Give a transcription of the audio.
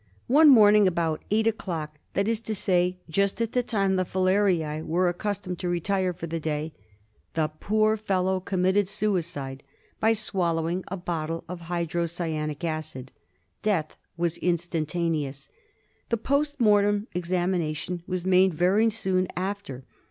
One morning, about eight o'clock — that is to say, just at the time the filariae were accustomed to retire for the day — the poor fellow com mitted suicide by swallowing a bottleful of hydrocyanic acid. Death was instantaneous. The post mortem ex amination was made very soon after.